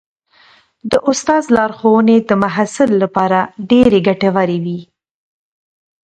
د استاد لارښوونې د محصل لپاره ډېرې ګټورې وي.